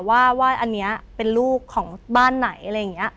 ว่าอันนี้เป็นลูกของบ้านไหนอะไรอย่างนี้